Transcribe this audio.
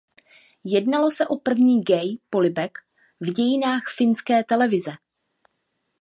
Jednalo se o první gay polibek v dějinách finské televize.